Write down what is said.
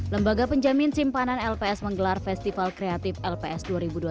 lembaga penjamin simpanan lps menggelar festival kreatif lps dua ribu dua puluh